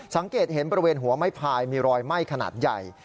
สังเกตเห็นบริเวณหัวไม่พายมีรอยไหม้ขนาดใหญ่